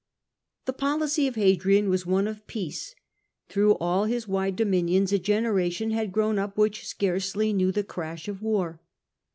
The policy of Hadrian was one of peace ; through all his wide dominions a generation had grown iiie out up which scarcely knew the crash of war.